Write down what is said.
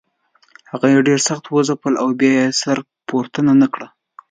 هغه یې ډېر سخت وځپل او بیا یې سر پورته نه کړ.